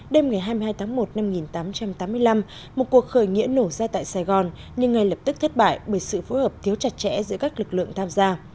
đêm ngày hai mươi hai tháng một năm một nghìn tám trăm tám mươi năm một cuộc khởi nghĩa nổ ra tại sài gòn nhưng ngay lập tức thất bại bởi sự phối hợp thiếu chặt chẽ giữa các lực lượng tham gia